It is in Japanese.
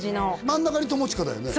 真ん中に友近だよね？